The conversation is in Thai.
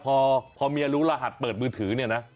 พอเมียรู้รหัสเปิดมือถือเนี่ยนะ